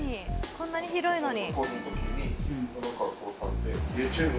こんなに広いのに」